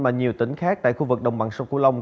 mà nhiều tỉnh khác tại khu vực đồng bằng sông cửu long